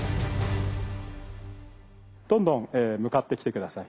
どんどん向かってきて下さい。